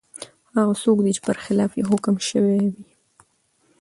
هغه څوک دی چي پر خلاف یې حکم سوی وي ؟